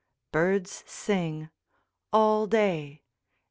Birds sing All day.